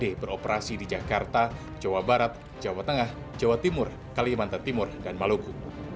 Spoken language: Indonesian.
dki beroperasi di jakarta jawa barat jawa tengah jawa timur kalimantan timur dan maluku